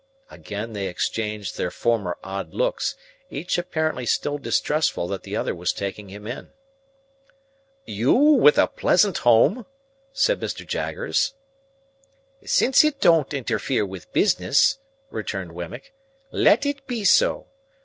Again they exchanged their former odd looks, each apparently still distrustful that the other was taking him in. "You with a pleasant home?" said Mr. Jaggers. "Since it don't interfere with business," returned Wemmick, "let it be so.